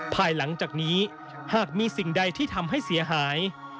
ภายหลังจากนี้หากมีสิ่งใดที่ทำให้เสียหาย